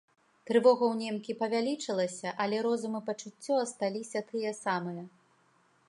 Трывога ў немкі павялічылася, але розум і пачуццё асталіся тыя самыя.